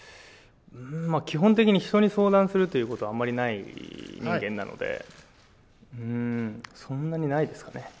基本的に人に相談することはあんまりない人間なので、そんなにないですかね。